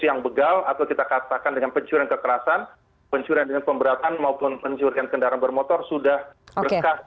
yang begal atau kita katakan dengan pencuiran kekerasan pencuiran dengan pemberatan maupun pencuiran kendaraan bermotor sudah berkas